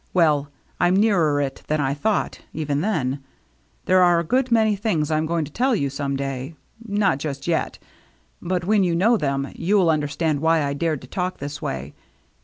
Well, I'm nearer it than I thought, even then. There are a good many things I'm going to tell you some day, — not just yet, — but when you know them, you'll understand why I've dared to talk this way.